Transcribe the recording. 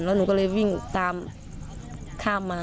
แล้วหนูก็เลยวิ่งตามข้ามมา